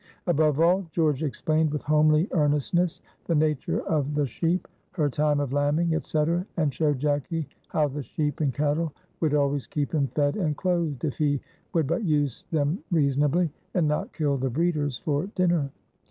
Above all, George explained with homely earnestness the nature of the sheep, her time of lambing, etc., and showed Jacky how the sheep and cattle would always keep him fed and clothed, if he would but use them reasonably, and not kill the breeders for dinner.